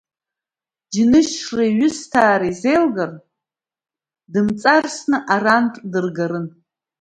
Џьнышреи ҩысҭаареи зеилгар, дымҵарсны арантә дыргарын.